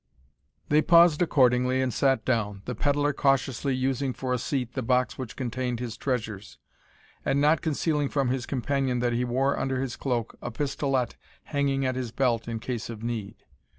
They paused accordingly and sat down, the pedlar cautiously using for a seat the box which contained his treasures, and not concealing from his companion that he wore under his cloak a pistolet hanging at his belt in case of need.